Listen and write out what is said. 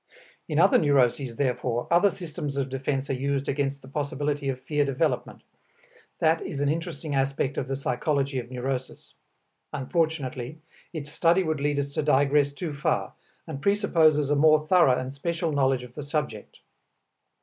In other neuroses, therefore, other systems of defense are used against the possibility of fear development. That is an interesting aspect of the psychology of neurosis. Unfortunately its study would lead us to digress too far, and presupposes a more thorough and special knowledge of the subject.